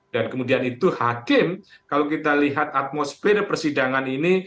dan kemudian itu hakim kalau kita lihat atmosfer persidangan ini